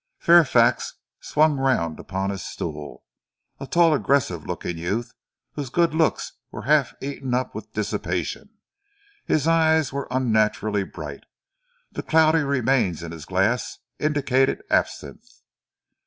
Fairfax swung round upon his stool, a tall, aggressive looking youth whose good looks were half eaten up with dissipation. His eyes were unnaturally bright, the cloudy remains in his glass indicated absinthe.